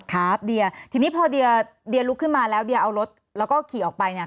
ครับเดียทีนี้พอเดียเดียลุกขึ้นมาแล้วเดียเอารถแล้วก็ขี่ออกไปเนี่ย